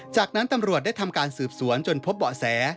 จากนั้นตำรวจได้ทำการสืบสวนจนพบเบาะแส